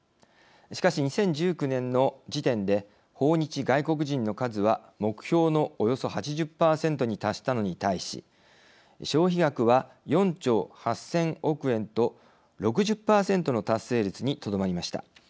しかし、２０１９年の時点で訪日外国人の数は目標のおよそ８０％に達したのに対し消費額は４兆８０００億円と６０％の達成率にとどまりました。